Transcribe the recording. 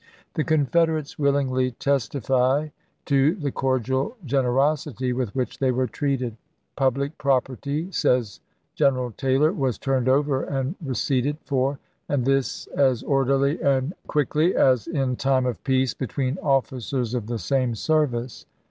The Confederates willingly testify to the cordial gen erosity with which they were treated. "Public property," says General Taylor, " was turned over and receipted for, and this as orderly and quickly as in time of peace between officers of the same service."